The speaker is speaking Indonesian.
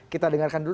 kita dengarkan dulu